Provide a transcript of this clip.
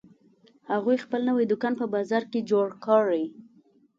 هغوی خپل نوی دوکان په بازار کې جوړ کړی